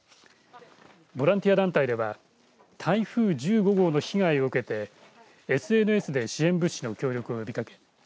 ボランティア団体では台風１５号な被害を受けてＳＮＳで支援物資の協力を呼びかけ